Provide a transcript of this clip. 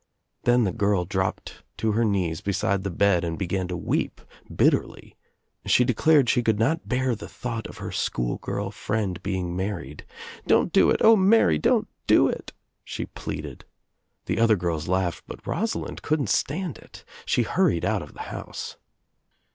Then the girl dropped to her knees beside the bed and began to weep bitterly. She declared she could not bear the thought of her schoolgirl friend being married. "Don't do It I O, Mary don't do itl" she pleaded. The other girls laughed but Rosalind couldn't stand it. She hurried out of the house.